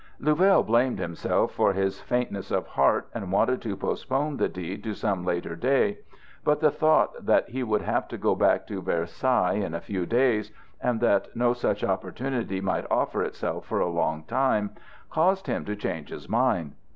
Louvel blamed himself for his faintness of heart and wanted to postpone the deed to some later day; but the thought that he would have to go back to Versailles in a few days and that no such opportunity might offer itself for a long time, caused him to change his mind.